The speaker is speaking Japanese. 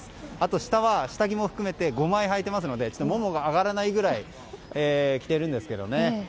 下は下着も含めて５枚はいていますのでももが上がらないぐらい着ているんですけどね。